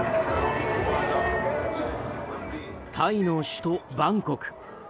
タイの首都バンコク。